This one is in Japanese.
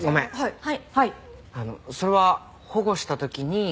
はい。